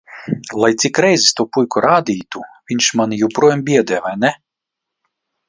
Lai cik reizes to puiku rādītu, viņš mani joprojām biedē, vai ne?